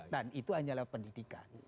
dan itu hanyalah pendidikan